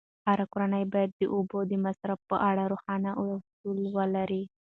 هره کورنۍ باید د اوبو د مصرف په اړه روښانه اصول ولري.